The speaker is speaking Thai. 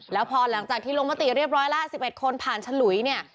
แล้วพอหลังจากที่ลงมติเรียบร้อยละ๑๑คนผ่านฉลุยเนี่ย